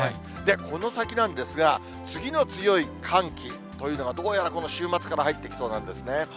この先なんですが、次の強い寒気というのがどうもこの週末から入ってきそうなんですね。